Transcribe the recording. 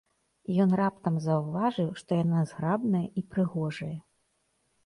Ён раптам заўважыў, што яна зграбная і прыгожая.